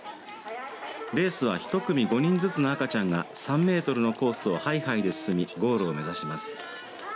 レースは１組５人ずつの赤ちゃんが３メートルのコースをハイハイで進みゴールを目指します。